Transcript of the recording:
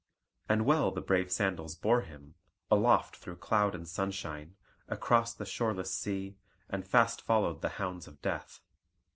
And well the brave sandals bore him, aloft through cloud and sunshine, across the shoreless sea; and fast followed the hounds of Death.